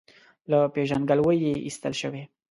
له پېژندګلوۍ یې ایستل شوی.